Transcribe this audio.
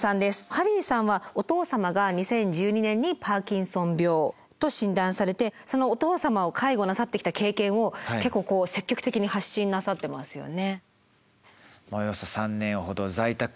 ハリーさんはお父様が２０１２年にパーキンソン病と診断されてそのお父様を介護なさってきた経験を結構積極的に発信なさってますよね。